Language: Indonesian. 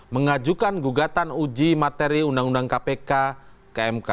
mengajukan gugatan uji materi undang undang kpk ke mk